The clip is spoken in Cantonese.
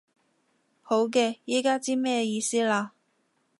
好嘅，依家知咩意思啦